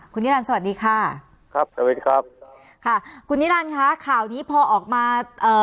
คุณนิรันดิ์สวัสดีค่ะคุณนิรันดิ์ค่ะข่าวนี้พอออกมา